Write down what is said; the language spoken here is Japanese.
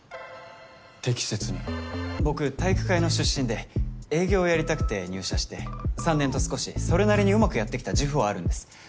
僕体育会の出身で営業やりたくて入社して３年と少しそれなりにうまくやってきた自負はあるんです。